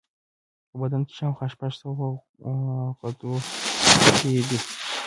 په بدن کې شاوخوا شپږ سوه غدودي دي.